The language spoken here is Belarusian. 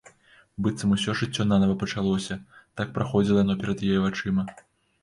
Быццам усё жыццё нанава пачалося, так праходзіла яно перад яе вачыма.